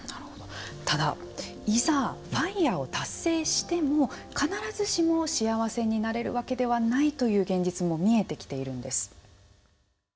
ただ、いざＦＩＲＥを達成しても必ずしも幸せになれるわけではないという現実も見えてきているんです。